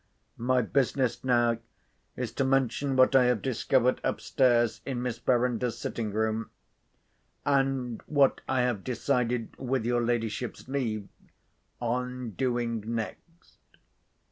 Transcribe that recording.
My business now is to mention what I have discovered upstairs in Miss Verinder's sitting room, and what I have decided (with your ladyship's leave) on doing next."